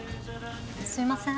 すいません。